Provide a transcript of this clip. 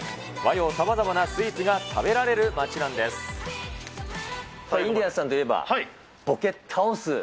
和洋さまざまなスイーツが食べられる街なんです。